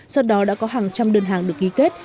sau đó đã có hàng trăm đơn hàng được ghi kết